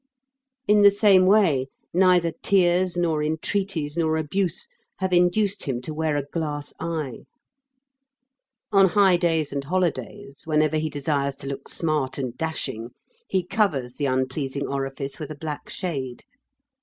In the same way, neither tears nor entreaties nor abuse have induced him to wear a glass eye. On high days and holidays, whenever he desires to look smart and dashing, he covers the unpleasing orifice with a black shade.